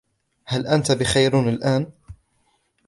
هل أنتَ بخير الآن ؟